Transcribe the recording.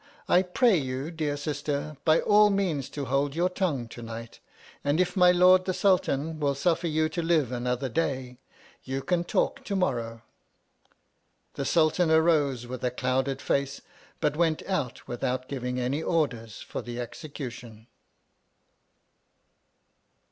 I pray you, dear sister, by all means to hold your tongue to night, and if my Lord the Sultan will suffer you to live another day, you can talk to morrow. The Sultan arose with a clouded face, but went out without giving any orders for the execution.